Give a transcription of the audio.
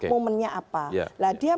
momennya apa lah dia